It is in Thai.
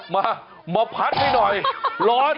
มามาพัดให้หน่อยร้อน